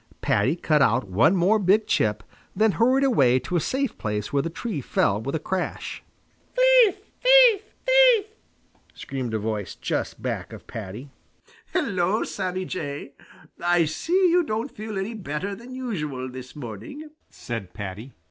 Paddy cut out one more big chip, then hurried away to a safe place while the tree fell with a crash. "Thief! thief! thief!" screamed a voice just back of Paddy. "Hello, Sammy Jay! I see you don't feel any better than usual this morning," said Paddy.